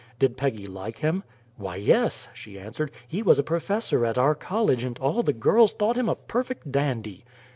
Did Peggy like him? "Why, yes," she answered. "He was a professor at our college, and all the girls thought him a perfect dandy!"